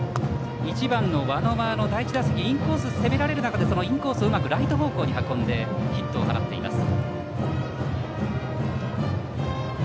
１番、輪野は第１打席、インコースを攻められる中でうまくライト方向に運んでヒットを放っています。